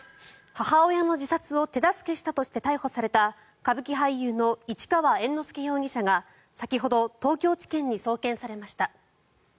母親の自殺の手助けをしたとして逮捕された歌舞伎俳優の市川猿之助容疑者が先ほど東京地検に送検されました。